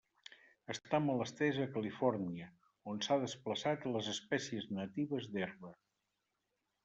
Està molt estesa a Califòrnia, on s'ha desplaçat a les espècies natives d'herba.